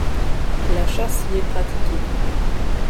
La chasse y est pratiquée.